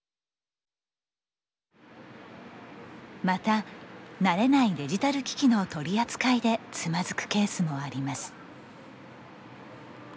また慣れないデジタル機器の取り扱いでつまずくケースもあります。